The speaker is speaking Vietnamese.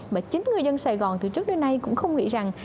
mà chính người dân sài gòn từ trước đến nay cũng không nghĩ rằng